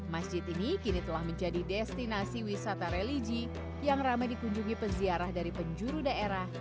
masjid ini kini telah menjadi destinasi wisata religi yang ramai dikunjungi peziarah dari penjuru daerah